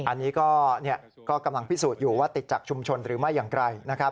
อันนี้ก็กำลังพิสูจน์อยู่ว่าติดจากชุมชนหรือไม่อย่างไรนะครับ